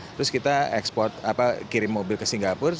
terus kita ekspor kirim mobil ke singapura